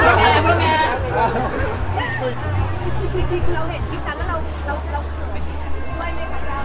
ทีทีเราเห็นทีสันแล้วเราสูญไปทีทีสุดด้วยไหมครับ